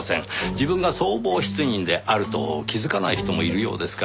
自分が相貌失認であると気づかない人もいるようですから。